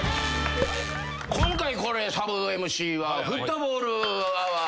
今回サブＭＣはフットボールアワーの。